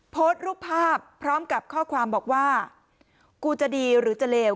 โพสต์รูปภาพพร้อมกับข้อความบอกว่ากูจะดีหรือจะเลว